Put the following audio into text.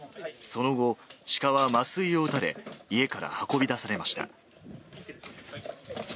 その後、シカは麻酔を打たれ、家から運び出されました。